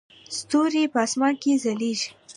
ستوري په اسمان کې ځلیږي